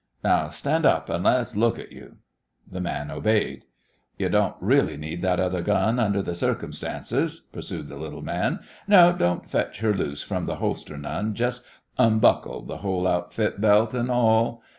Now stand up an' let's look at you." The man obeyed. "Yo' don't really need that other gun, under th' circumstances," pursued the little man. "No, don't fetch her loose from the holster none; jest unbuckle th' whole outfit, belt and all.